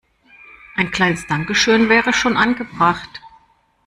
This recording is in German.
Ein kleines Dankeschön wäre schon angebracht.